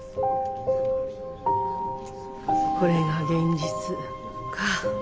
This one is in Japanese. これが現実か。